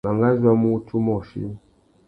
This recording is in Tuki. Mangazu a mú wutiō umôchï.